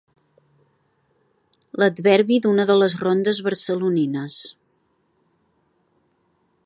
L'adverbi d'una de les rondes barcelonines.